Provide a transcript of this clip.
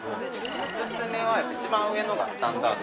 お薦めは一番上のスタンダード。